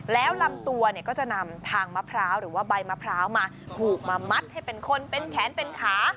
แล้วลำตัวเนี่ยก็จะนำทางมะพร้าวหรือว่าใบมะพร้าวมาผูกมามัดให้เป็นคนเป็นแขนเป็นขา